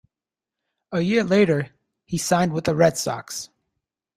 A year later, he signed with the Red Sox.